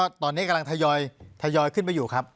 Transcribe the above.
ตอนนี้กำลังทยอยขึ้นไปอยู่ครับ